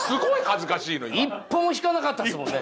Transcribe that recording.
一歩も引かなかったですもんね。